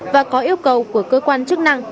và có yêu cầu của cơ quan chức năng